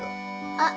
あっ。